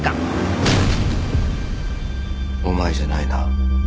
お前じゃないな？